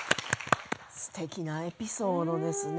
すてきなエピソードですね。